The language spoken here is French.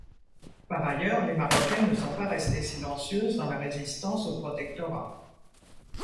Par ailleurs, les Marocaines ne sont pas restées silencieuses dans la résistance au protectorat.